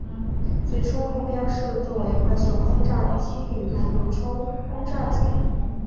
最初目标是作为快速轰炸机与俯冲轰炸机。